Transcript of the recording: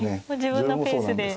自分のペースで。